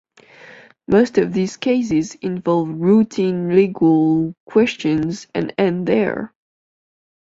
Most of these cases involve routine legal questions and end there.